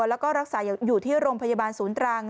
แล้วก็รักษาอยู่ที่โรงพยาบาลศูนย์ตรัง